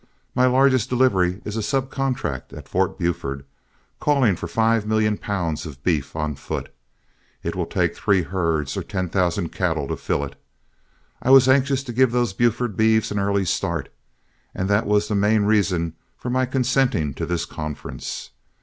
My largest delivery is a sub contract for Fort Buford, calling for five million pounds of beef on foot. It will take three herds or ten thousand cattle to fill it. I was anxious to give those Buford beeves an early start, and that was the main reason in my consenting to this conference.